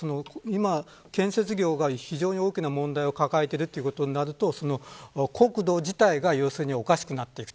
建設業が今、非常に大きな問題を抱えているということになると国土自体が非常におかしくなっている。